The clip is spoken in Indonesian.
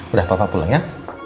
udah papa pulang ya